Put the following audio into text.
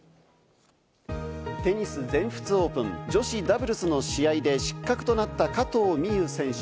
テニス全仏オープン、女子ダブルスの試合で失格となった加藤未唯選手。